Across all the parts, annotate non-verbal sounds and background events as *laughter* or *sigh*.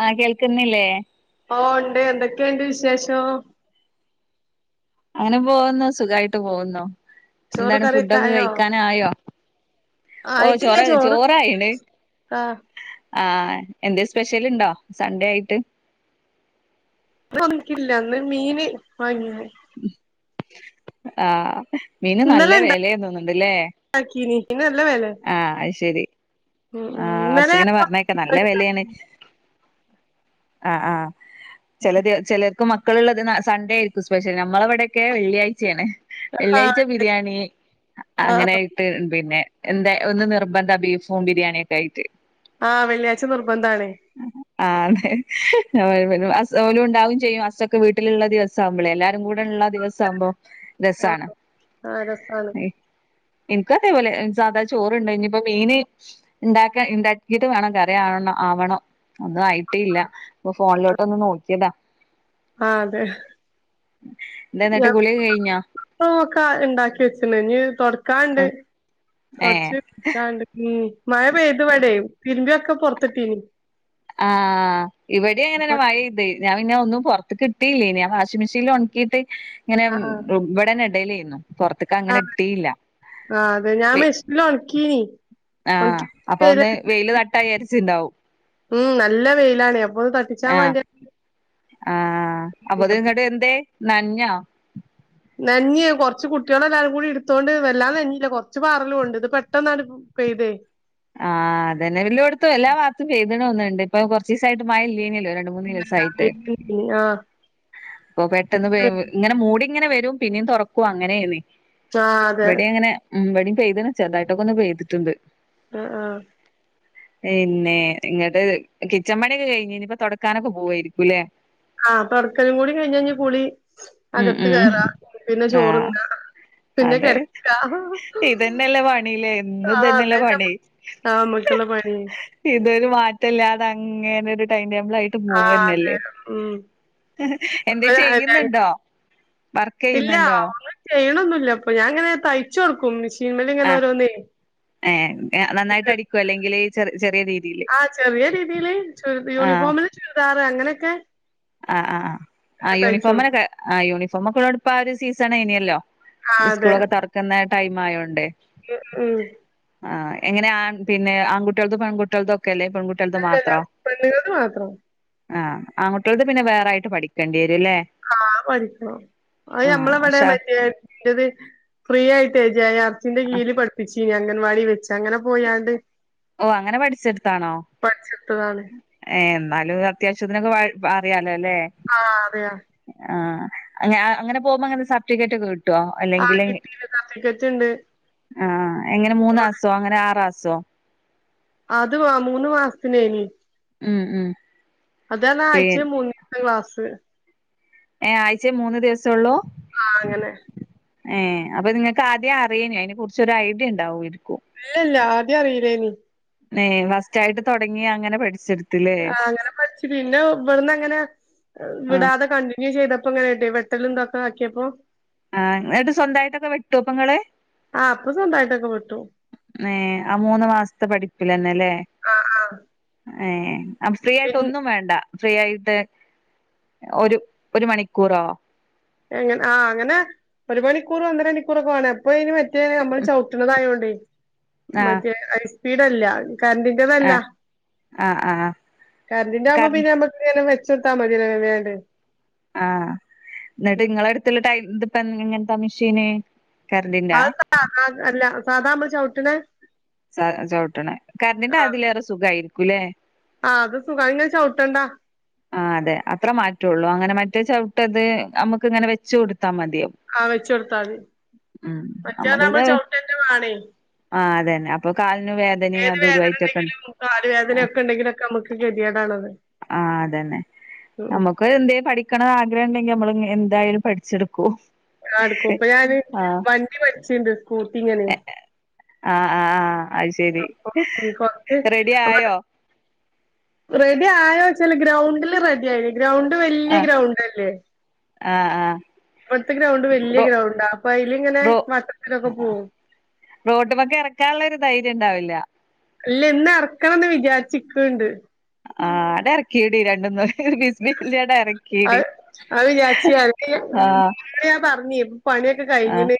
ആഹ് കേൾക്കുന്നില്ലേ ഓഹ് ഇണ്ട് എന്തൊക്കെയുണ്ട് വിശേഷം അങ്ങനെ പോകുന്നോ സുഖായിട്ട് പോകുന്നോ ചോറ് എന്താണ് കറിയൊക്കെ ഫുഡൊക്കെ ആയോ കഴിക്കാന യോ ഓ ആയിട്ടില്ല ചോറ ചോറ് ചോറയിണ് ആ ആഹ് എന്തെ സ്പെഷ്യൽ ഇണ്ടോ സൺഡേ ആയിട്ട് നപ്പ ഒന്നുക്കില്ല ഇന്ന് മീന് വാങ്ങനെ ആഹ് മീന് നല്ല ഇന്നലെ വില തോന്നുന്നുണ്ടല്ലേ ഇണ്ടാക്കീന് മീന് നല്ല വെലെ ആഹ് അത് ശരി ഉം ഉം ആഹ് ഇന്നലെ അസുഖനെ പറഞ്ഞ നല്ല വിലയാണ് ആ ആ ചല ചിലർക്കും മ മക്കളുള്ളത് സൺഡ ആരിക്കും സ്പെഷ്യൽ ഞമ്മള അവിടെയൊക്കെ വെള്ളിയാഴ്ചയാണ് ആ വെള്ളിയാഴ്ച ബിരിയാണി അങ്ങനെ പിന്നെ എന്താ ഒന്ന് നിർബന്ധ ബീഫും ബിരിയാണിയ ഒക്കെ ആയിട്ട് ആഹ് വെള്ളിയാഴ്ച നിർബന്ധമാണേ ആഹ് അതെ ഓലും ഉണ്ടാവും ചെയ്യും. അസൊക്കെ വീട്ടിലുള്ള ദിവസവും എല്ലാരും കൂടെ ഉള്ള ദിവസ ആകുമ്പം ആ രസമാണ് ആ രസാണ് എനക്ക് അതേപോലെ സാധാ ചോറണ്ടണ്ട് ഇനി ഇപ്പോ മീന് ഉണ്ടാക്ക ഉണ്ടാക്കിട്ട് വേണം കറി ആണോ ആവണോ ഒന്നും ആയിട്ട ഇല്ല ഇപ്പ ഫോണിലോട്ട് ഒന്ന് നോക്കിയതാ ആഹ് അതെ എന്താ എന്നിട്ട് ഗുളിക കഴിഞ്ഞോ ഇ ഒക്കെ ഇണ്ടാക്കി വെച്ചി ഇഞ് തുടക്കാണ്ട് ഏ തുടച്ച്ണ്ട് ഉം മഴ പെയ്ത് ഇവടെ പിതിരുമ്പിയൊക്കെ പൊറത്തിട്ടീന് ആഹ് ഇവിടെ അങ്ങനനെ അപ്പൊ മഴ ഇത ഞാൻ പിന്നെ ഒന്നും പുറത്ത് കിട്ടയില്ലേ ഞാ വാഷിംഗ് മെഷീനിൽ ഉണക്കിയിട്ട് ഇങ്ങനെ ആ ആ ഇവിടന്ന ഇടയിൽ ഇര്ന്ന് പുറത്ത്ക്കങ്ങനെ ഇട്ടില്ല ആഹ് അതെ ഞാ മെശില ഉണക്കീന ആഹ് അപ്പൊ ഒന്ന് വെയില് തട്ടായിചരിച്ചുണ്ടാവും ഉം നല്ല വെയിലാണ് അപ്പൊ ഒന്ന് തട്ടിച്ചാൻ ആഹ് വേണ്ടിയ ആഹ് അപ്പൊ അത നിങ്ങട്ട എന്തേ നഞ്ഞാ നഞ്ഞി കുറച്ച് കുട്ടികളെ എല്ലാരും കൂടി ഇടുത്തോൊണ്ട് വല്ലാം നെഞ്ഞിയില്ല കൊറച്ച് പറാറലും കൊണ്ട് ഇത് പെട്ടെന്നാണ് പെയ്തെ ആഹ് അതന്നെ എല്ലോട് ത്തും എല്ല പാത് ക്കുംവിയിത്തും പെയതണ ഒന്നണ്ട് ഇപ്പ കൊറച്ച ദിവസായിട്ട് മഴ ഇല്ലീനല്ലോ അഹ് കുറെ ദിവസായിട്ട് ആ പ്പെ പെട്ടന്ന് പെയ്യുമ്പോ ഇങ്ങനെ ക്കൂടി ക്കൂടി ഇങ്ങനെ വരും പിന്നേ തുറക്കു അങ്ങനെ ആ അതെ ഇവിടെ അങ്ങനെത്തെ ഉം വടി പെയ്ത്ണ് ചെർതായിട്ടൊക്കെ ഒന്ന് പെയ്തിട്ടുണ്ട് ആഹ് ആഹ് പിന്നെ ഇങ്ങട്ട് കിച്ച മണിയൊക്കെ കഴിഞ്ഞ ഇപ്പ തൊടക്കാനൊക്കെ പോവായിരിക്കൂല്ലേ ആഹ് പർക്കലും കൂടി കൈഞ്ഞൈഞ്ഞ പുളി ഉം അകത്ത് ഉം കേറാ പിന്നെ ആഹ് ചോറിന്ന പിന്നെ അതെ കെടക്കാ ഇതന്നെല്ലേ പണില്ലേ എന്നും ആഹ് ഇതന്നെല്ലേ അതല്ല പണി ആഹ് അമ്മക്കിള്ളെ പണി ഇതൊരു മാറ്റല്ലാതെ അങ്ങനൊരു ടൈണ്ടേബിൾ ആയിട്ട് ആ അതെ പോവന്നല്ലേ എന്തേ ഉം ചെയ്യുന്നുണ്ടോ വർ ഇല്ല ഒന്നും ചെയ്യണൊന്നില്ല അപ്പൊ ഞാങ്ങനെ തയ്ച്ച കൊടുക്കും മിഷ് ആഹ് ഏ നന്നായിട്ട് അടിക്കൊ അല്ലെങ്കില് ചെറ് ചെറ്യെ രീ ആഹ് ചെറിയ രീതിയിൽ ചുരി ആഹ് യൂണിഫോമില് ചുരിദാറ് അങ്ങനെയൊക്കെ ആഹ് ആഹ് ഞാൻ ആഹ് തയ്ച്ചു കൊടുക്കും യൂണിഫോമിനൊക്കെ ആ യൂണിോമ ഒക്കെടുപ്പ ആ ഒരു സീസൺ ഇനിയല്ലോ ആ അതെ സ്കൂളൊക്കെ തൊറക്കുന്ന ടൈം ആയോണ്ടേ ഉം ആഹ് എങ്ങനെ ആഹ് പിന്നെ ആങ്കുട്ട്യാൾതും പെങ്കുട്ട്യാൾതും ഒക്കെ അല്ലെ പെങ്കു ത് അല്ലല്ല മാത്രോ പെണ്ണുങ്ങൾത് മാത്രം ആഹ് ആങ്കുട്ട്യാൾത് പിന്നെ വേറായിട്ട് പഠിക്കേണ്ട്യരും ല്ലേ ആഹ് പഠിക്കണോ അത് ഞമ്മളെവിടെ ഷ മറ്റേ അത് ഫ്രീ ആയിട്ട് ജേ ആർ സിന്റെ കീഴില് പട് ച്ചീനി അംഗൻവാടി വെച്ച് അങ്ങനെ പോയാണ്ട് ഓഹ് അങ്ങനെ പഠിച്ചിട്ത്താണോ പഠിച്ചെടുത്തതാണ് ഏഹ് എന്നാലും അത്യാവശ്യത്തിനൊക്കെ അറിയാലോ അല്ലേ ആഹ് അതെയ ആഹ് അ അങ്ങനെ പോകുമ്പോ അങ്ങനെ സർട്ടിഫിക്കറ്റ് ഒക്കെ കിട്ട്വോ ആ അല്ലെങ്കിൽ കിട്ടീന് സർട്ടിഫിക്കറ്റ് ഉണ്ട് ആഹ് എങ്ങനെ മൂന്നാസോ അങ്ങനെ ആറാസോ അത് മാ മൂന്ന് മാസത്തിനേന് ഉം ഉം അതാണ് പി ആഴ്ചേ മൂന്നീ ക്ലാസ്സ് ഏഹ് ആഴ്ചേ മൂന്ന് ദിവസംള്ളൂ ആഹ് അങ്ങനെ ഏഹ് അപ്പൊ നിങ്ങക്ക് ആദ്യേം അറീനേ അയ്നെ കുർച്ചൊരു ഐഡിയ ഇണ്ടാവ്വേരിക്കും ഇല്ലല്ല ആദ്യം അറീലേനി യേ ഫസ്റ്റായിട്ട് തൊടങ്ങി അങ്ങനെ പഠിച്ചെടുത്തു. ആഹ് അങ്ങനെ പടിച് പിന്നെ ഇവിടന്നങ്ങനെ ആഹ് വിടാതെ കണ്ടി ന്യൂ ചെയ്തപ്പങ്ങനെട്ടെ വെട്ടലുംതൊക്കെ ആക്കിയപ്പോ ആഹ ന്നിട്ട് സ്വന്തായിട്ടൊക്കെ വെട്ടോ ഇപ്പങ്ങള് ആ അപ്പൊ സ്വന്തമായിട്ടൊക്കെ വിട്ടു ഏഹ് ആ മൂന്ന് മാസ്ത്തെ പഠിപ്പിലന്നെലേ ആ ആ ഏഹ് ആ പിന്ന ഫ്രീയായിട്ടൊന്നും വേണ്ട ഫ്രീയായിട്ട് ഒരു ഒരു മണിക്കൂറോ? എങ്ങ ആഹ് അങ്ങനെ ഒരു മണിക്കൂറ് ഒന്നരണിക്കൂറൊക്കെ വേണം അപ്പൊ ഇനി മറ്റേഅമ്മള് ചവ്ട്ട്ണതായോണ്ടേ ആഹ് മറ്റേഐസ്പീഡല്ല കര്ൻ്റി ന്റതല്ല ആഹ് ആഹ് ആഹ് കര്ന്റിന്റാവുമ്പൊ കറ പിന്നെ അമ്മ *unintelligible* വെച്ചൊട്ത്താ മതിയ വേ വേണ്ട് ന്നിട്ട്ങ്ങളെട്ത്ത്ള്ള ടൈപ്പ എങ്ങൻത്താ മിഷേന് കറന്റിന്റാ ആഹ് അല്ല സാധാമ്മള് ചവ്ട്ട്ണ സാ ചവ്ട്ട്ണെ കറന്റിന്റതിലേറെ സുഗായിരിക്കൂലേ ആഹ് അത് സുഗാ യിങ്ങെചവ്ട്ടണ്ടാ... ആഹ് അതെ അത്ര മാറ്റൊള്ളൂ അങ്ങനെ മറ്റേ ചവ്ട്ടത് നമ്ക്ക്ങ്ങനെ വെച്ച് കൊടുത്താ മതിയോ ആഹ് വെച്ചൊട്ത്താതി മറ്റേഹ് അർഞ്ഞാ ഞമ്മള് ചവ്ട്ടന്നെ വാണേയ് ആഹ് അതന്നെ അപ്പൊ കാലന് വേ ഏത് വേദനണ്ടെലും കാല് വേദനൊക്കെണ്ടെങ്കിലൊക്കമ്മക്ക് കെതിയേടാണത് ആഹ് അതന്നെ നമ്മക്ക് പ്പയെന്തെയ് പഠിക്കണോ ആഗ്രഹണ്ടെങ്കി ഞമ്മള് ഞ് എന്തായാലും പഠിച്ചെടുക്കും ആഹ് ഇട്ക്കും ഇപ്പൊ ഞാന് ആ വണ്ടി പഠിച്ച്ണ്ട് സ്കൂട്ടിങ്ങനെ ആഹ് ആഹ് ആഹ് അയ് ശെരി അപ്പൊ ഉം കൊറച്ച് റെഡി ആയോ റെഡിആയോചാല് ഗ്രൗണ്ടില് റെഡി ആയി ഗ്രൗണ്ട് വല്ല്യെ ഗ്രൗണ്ടല്ലേ ആഹ് ആഹ് ഇവട്ത്തെ ഗ്രൗണ്ട് വല്ല്യെഗ്രൗണ്ടാ അപ്പയിലിങ്ങനെ വട്ടത്തിലൊക്കെ പോവും റോട്ട്മെക്കെറക്കാള്ളോരു ധൈര്യണ്ടാവില്ല ഇല്ല ഇന്നെർക്കണംന്ന് വിചാര്ച്ച്ക്ക്‌ണ്ട്. അഹ് ആഹ് അണ്ടെർക്യുടി രണ്ടൊന്ന് ഒര് ബിസ്മി ചൊല്ല്യാണ്ട് അറ അഹ് അയ് വിജാര്ച്ച്ക്കാണ്ട് ആ *unintelligible* ഞാൻ പർഞ്ഞ് പ്പൊപണിയൊക്കെ ആ കഴിഞ്ഞ്ണ്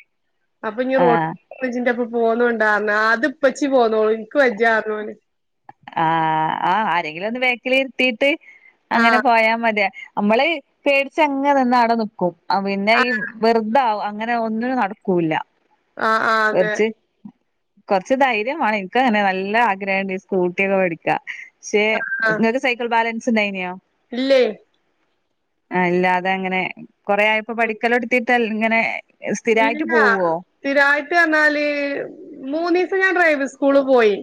ആ അപ്പഞ്ഞിറോട്ട്മ്മെജിന്റെപ്പം പോന്നോണ്ടാന്ന് അത് ഇപ്പച്ചി പോന്നോളും ഇൻക്ക്‌ വെജ്ജാർഞ് ഓന് ആഹ് ആഹ് ആരെങ്കിലൊന്ന് ബേക്കിലിര്ത്തീട്ട് അങ്ങനെ ആഹ് പോയാ മത്യെ അമ്മള് പേടിച്ചങ്ങെനിന്ന അടെനിക്കും പിന്നെ ഈ ആഹ് വെർതാവും അ ങ്ങനെ ഒന്നിനും നടക്കൂല്ല ആഹ് ആഹ് അതെ കൊർച് കൊറച്ച് ധൈര്യംവാണം ഇന്ക്കങ്ങനെ നല്ല ആഗ്രഹംണ്ട് ഈ സ്കൂട്ട്യോക്കെ പഠിക്കാ ക്ഷെ ഇങ്ങക്ക് സൈക്കിൾ ബാലൻസ് ണ്ടായിനോ ഇല്ലേയ് ആഹ് ഇല്ലാതെഎങ്ങനെ കൊറേ ആയപ്പോ ഇ- പഠിക്കലൊട്ത്തിട്ട് അൽ ഇങ്ങനെ സ്ഥിരായിട്ട് ഇല്ല പോവോ സ്ഥിരായിട്ട്അർഞ്ഞാല് മൂന്നീസംഞാ ഡ്രൈവിംഗ്സ്കൂള് പോയി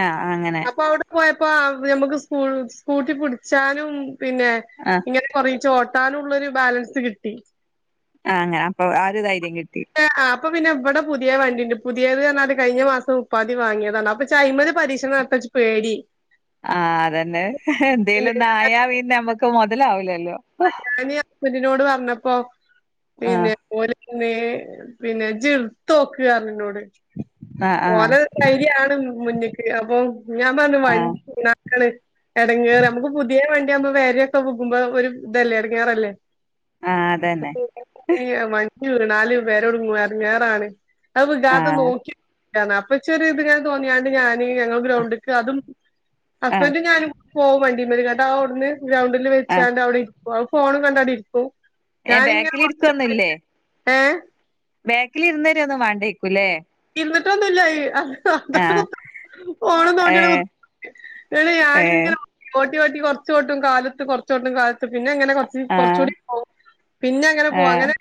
ആഹ് അങ്ങനെ അപ്പൊ അവ്ടെ പോയപ്പോ അവ് ഞമ്മക്ക് സ് സ്കൂട്ടി പുടിച്ചാനും പിന്നെ ആഹ് ഇങ്ങനെ കൊറീച്ചോട്ടാനുള്ളൊരു ബാലൻസ് കിട്ടി ആഹ് അങ്ങനെ അപ്പൊ ആ ഒരു ധൈര്യം കിട്ടി. ആഹ് അപ്പപിന്നെ ഇവടെ പുത്യേവണ്ടിണ്ട് പുത്യേത് അർഞ്ഞാല് കയിഞ്ഞ മാസം മുപ്പാന്തിവാങ്യേതാണ് അപ്പചയ്മല് പരീക്ഷണം നട് ത്താച്ച് പേടി ആഹ് അതന്നെ പിന്നെ എന്തേലൊന്നായാപിന്നെമ്മക്കഹ് മൊതലാവൂലല്ലോ ആഹ് ഞന് അസ്ബന്റിനോട് പർഞ്ഞപ്പോ പിന്നെ ആഹ് ഓല് പിന്നെ പിന്നെ ഇജ്ജ്ട്ത്തോക്ക് അർഞ്ഇന്നോട് ആഹ് ആഹ് ഓലെ ധൈര്യാണ് മുന്ന്ക്ക് അപ്പൊ ഞാൻ പറഞ്ഞു ആഹ് വണ്ടി വീണാ ക്കാണ് എടങ്ങേറ് അമക്ക് പുത്യേ വണ്ട്യകുമ്പോ വെരെക്കെ വുഗുംമ്പൊ ഒരു മ് തെല്ലേ എടങ്ങേറല്ലെ ആഹ് അതന്നെ *unintelligible* പിന്നെ ഞ്ഞീ വണ്ടി വീണാലും വെര *unintelligible* വീണാലും എടങ്ങേറാണ് അത് വികാതെ ആഹ് നോക്കി ണ്ടർന്നു അപ്പച്ചൊരിത്ങ്ങനെ തോന്നിയാണ്ട് ഞാൻ ഞങ്ങൾ ഗ്രൗണ്ടിക്ക് അതും ആഹ് ഹസ്ബൻഡും ഞാനും പോവും വണ്ടിമ്മല് ങ്ങാട്ടഹ് അവ്ട്ന്ന് ഗ്രൗണ്ടില് ആഹ് വെച്ചാണ്ട് അവിടെ ഇരിക്കും അഹ് ഫോണും കണ്ടാണ്ട് ഇരിക്കും ഏഹ് കാല്ങ്ങനെ കൊർച്ചൊക്കെ *unintelligible* ഏഹ് ബേക്ക്‌ലിര്ന്നെരൊന്നും വാണ്ടേയ്ക്കുല്ലേ ഇര്ന്ന്ട്ടൊന്നുല്ല അഹ് അഹ് അത് അവ്ടെ ആഹ് കുത്ത്ർക്കും ഫോണും തോണ്ടിയവ്ടെ ഏഹ് കുത്തർ *unintelligible* ഏഹ് ഞാനിങ്ങനെ ഓട്ടി ഓട്ടി കൊർച്ചോട്ടും കാലുത്തും കൊർച്ചോട്ടും കാല് പിന്നെ അങ്ങനെ കൊറച് ആഹ് കൊറച്ചൂടി പോവു പിന്നെ അങ്ങനെ പോവു ഏഹ് അങ്ങനെ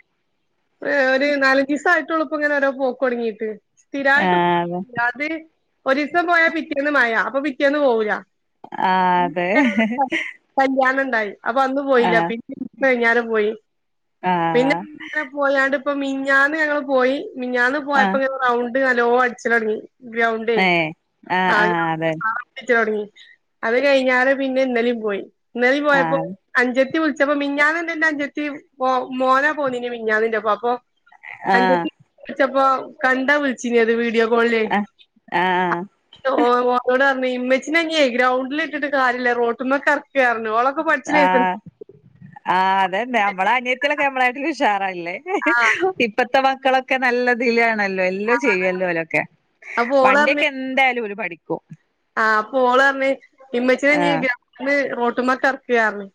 ഒരു നാലഞ്ചിസായിട്ടുള്ളൂ ഇപ്പോ ഇങ്ങനെരോ പോക്ക് തുടങ്ങീട്ട് ആഹ് സ്ഥിരായിട്ട്അത് ഒരീസം പോയാ പിറ്റേന്ന് മഴ അപ്പൊ പിറ്റേന്ന് പോവൂല്ല ആഹ് അതെ കല്യാണണ്ടായി അപ്പൊ അന്ന് പോയില്ല ആഹ് പിറ്റെസം കഴിഞ്ഞാല പോയി ആഹ് പിന്നെങ്ങനെ പോയാണ്ട് ഇപ്പ മിഞ്ഞാന്ന് ഞങ്ങൾ പോയി മിഞ്ഞാന്ന് പോയപ്പ ആഹ് ഗ്രൗണ്ട് നല്ലോ അടിച്ചലോടങ്ങി ഗ്രൗണ്ടേ ഏഹ് ആഹ് *unintelligible* തുടങ്ങി അത് കഴിഞ്ഞാറ് പിന്നെ ഇന്നലേം പോയി ഇന്നലേം ആഹ് പോയപ്പോ ആഹ് അൻഞ്ചത്തി വിളിച്ചപ്പോ മിഞ്ഞാനന്റെ അ ൻഞ്ചത്തി മോ മോനാ പോന്നിനി മിൻഞ്ഞാനിന്റെപ്പ അപ്പൊ ആഹ് അൻഞ്ചത്തി വിളിച്ചപ്പോ കണ്ടാ വിളിച്ചീനിയത് വീഡിയോ കോളിലേ ആഹ് ആഹ് ഓ ഓ ഓട് പറഞ്ഞ ഇമ്മച്ചിനഞ്ഹി ഗ്രൗണ്ടിലിട്ടിട്ട് കാര്യല്ല റോട്ടിമ്മകറക്കി ക്കെറഞ്ഞു ഓളൊക്കെപട് ആഹ് ആഹ് അതെന്നെ നമ്മളനി നമ്മളായിട്ട് ഉഷാറല്ലേ ആഹ് ഇപ്പത്തെ മക്കളൊക്കെ നല്ലതിലാണല്ലോ ല്ലോ ചെയ്യല്ലോലോക്കെ അപ്പൊ വണ്ടിയൊക്കെ എന്തായാലും ഓല് പഠിക്കും അപ്പോളറഞ്ഞു ഇമ്മച്ചിനെഞ്ഞീ ആഹ് ഗ്രൗണ്ടിന്ന് റോട്ട്മക്കറക്ക്ഞ്ഞീ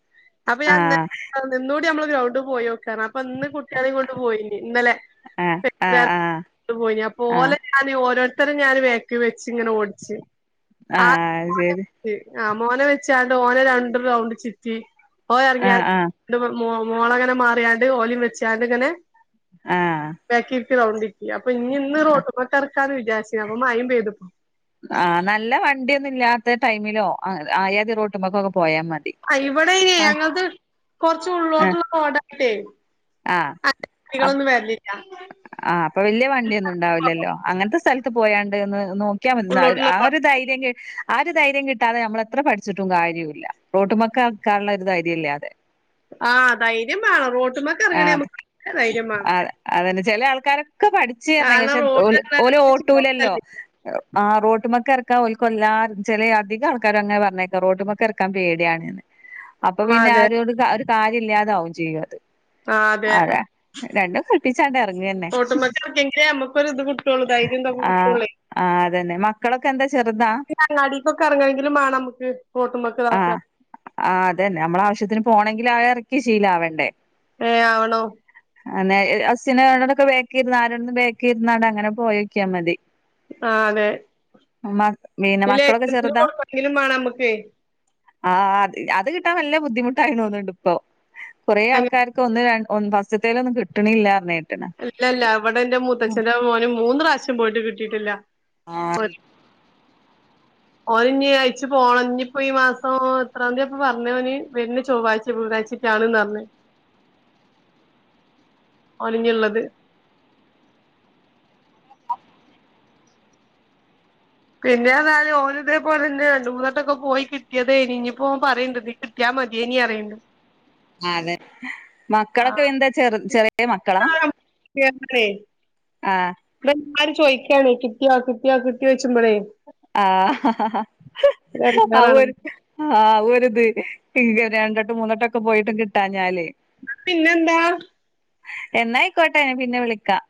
അപ്പൊ ആഹ് ഞാൻന്ന്ഞ്ഞു ന്നൂടി നമ്മള് ഗ്രൗണ്ടിൽ പോയോക്ക അപ്പൊന്ന് കുട്ട്യാളെ കൊണ്ട് പോയിന് ഇന്നലെ ആഹ് ആഹ് ആഹ് *unintelligible* അപ്പൊ ആഹ് ഓലെ ഞാൻ ഓരോ ഇത്തരം ഞാൻ വേക്ക് വെച്ച്ങ്ങനെ ഓടിച്ച് ആഹ് ശരി റ്റി ആഹ് മോനെ വെച്ചാണ്ട് ഓനെ രണ്ട് റൗണ്ട് ചുറ്റി ഓ എറങ്ങിയാ ആഹ് ആഹ് ലോ മോ മോളങ്ങനെ മാറിയാണ്ട് ഓലി വെച്ചാണ്ട് ഇങ്ങനെ ആഹ് ബേക്കിലിരി റൗണ്ടിറ്റി അപ്പൊഞ്ഞി ഇന്ന് റൊട്മക്കാർക്കാന്ന് വിചാരിച് അപ്പൊ മയിം പെയ്തു ആഹ് നല്ല വണ്ടിയൊന്നും ഇല്ലാത്ത ടൈമിലോ ആയാതിറോട്ടുമക്കക്കെ പോയാൽ മതി ആ ഇവിടെയ്നി ആഹ് ഞങ്ങക്ക് കൊറച്ച് ആഹ് ഉള്ളോട്ടുള്ള റോടായിട്ടെ ആഹ് അഹ് വണ്ടികളൊന്നും വരലില്ല ആഹ് അപ്പൊ വല്യയ വണ്ടിയൊന്നും ഉണ്ടാവില്ലല്ലോ അങ്ങനത്തെ സ്ഥലത്ത് പോയണ്ട് എന്ന് നോ നോക്കിയാ മതി ഉള്ളോട്ടുള്ള ആ റോഡ് ഒരു ധൈരിയക്കെ ആ ഒരു ധൈര്യം കിട്ടാതെ നമ്മളെ എത്ര പഠിച്ചിട്ടും കാരിയല്ല റോട്ടുമക്കർക്കാനുള്ളരു ധൈര്യല്ലാതെ ആഹ് ധൈര്യം മാണം റോട്ട്മകൊക്കെ ഇറങ്ങണേ ആഹ് നമുക്ക് ധൈര്യം മാണം അതെ അതന്നെ ചില ആൾക്കാരൊക്കെ പഠിച്ചുർന്ന് കാരണം പക്ഷെ റോഡ് പറഞ്ഞാ ഓല് നമുക്ക് ഓട്ടൂലല്ലോ ചോർച്ചല്ലേ ആഹ് റോട്ടുമൊക്കെറക്കാൻ ഓൽക്കല്ലാര് ചില അധികൾക്കാരങ്ങനെ പറഞ്ഞേക്കാം റോട്ടുമൊക്കറക്കാൻ പേടിയാണ് അപ്പൊ ആ പിന്നെ അതെ ആരോട് ഒരു കാര്യം ഇല്ലാതാവും ചെയ്യും അത് ആ അതെ രണ്ടും കളിപ്പിച്ചാണ്ട് അ റോട്ടുമക്കെർക്കിയങ്കേ നമ്മുക്ക് ഒരു ഇത് കിട്ടുള്ളൂ ധൈര്യംന്തൊക്കെ കിട്ടുള്ളേ മക്കളൊക്കെന്താ ചെർതാ അങ്ങാടിക്കൊക്കെറങ്ങണങ്കിലും മാണ നമുക്ക് റോട്ടുമക്ക് താക്കാ ആഹ് അതന്നെ നമ്മളാവശ്യത്തിന് പോണെങ്കിൽ അറക്കി ശീലാവണ്ടേ ഏ ആവണോ അനെ അസിനോടൊക്കെ ബാക്കിൽ ഇരുന്ന് ആരോടും ബേക്കി ഇരുന്ന അങ്ങനെ പോയോ ക്കിയാ മതി ആ അതെ മ പിന്നെ ഈ മക്കളൊക്കെ ലൈസൻസിന് ചെറുതാ കൊടുക്കണമെങ്കിലും വേണം നമുക്ക് ആ അ അത് കിട്ടാൻ നല്ല ബുദ്ധിമുട്ടായി തോന്നുന്നുണ്ട് ഇപ്പൊ കൊറേ ആൾക്കാർക്ക് ഒന്ന് ത്തേൽ ഒന്നും കിട്ടണില്ലാന്നു കേക്കണ് ഇല്ല ഇല്ല ഇവിടെ എന്റെ മുത്തച്ഛന്റെ മോന് മൂന്ന് പ്രാവശ്യം പോയിട്ട് കിട്ടിയിട്ടില്ലഓ ആ ഓന് ഇനി അയച്ചു പോകണം ഇനിയിപ്പോ ഈ മാസം എത്രാ തീയതി അപ്പൊ പറഞ്ഞനി വരുന്ന ചൊവ്വാഴ്ച ബുധനാഴ്ച ഞാണ്ന്ന് അറിഞ്ഞു ഓന് ഇനിയുള്ളത് പിന്നെ എന്നാലും ഒനേ ഇതേ പോലന്നെ രണ്ട മൂന്ന തട്ടൊക്കെ പോയി കിട്ടിയത് ഇനിയിപ്പോ പറയണ്ട് ക്കാ മതിയേനി അറിയണ്ട് അ അതെ ആ മക്കളൊക്കെ എന്താ ചെറ ചെറിയ മക്കളാ *unintelligible* ആഹ എല്ലാരും ചോദിക്കണേ കിട്ടിയാ കിട്ടിയ കിട്ടി വെച്ച്പോളേ ആഹ ഒരു ആ എടങ്ങേറാണ് ഒരിത് ആഹ ഒരിത് രണ്ടോട്ട് മൂന്നോട്ടൊക്കെ പോയിട്ടും കിട്ടാ ഞാല് പിന്നെന്താ എന്നായിക്കോട്ടെ പിന്നെ വിളിക്കാം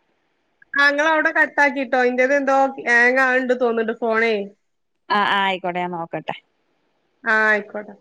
നിങ്കൾ അവിടെ കട്ടാക്കിയിട്ടോ ഇന്റേത എന്തോ ഹാങ്ങ്‌ ആണ്ട് തോന്നിണ്ട് ഫോണേ ആ ആയിക്കൊട്ടെ ഞാൻനോക്കട്ടെ ആഹ ആയിക്കോട്ടെ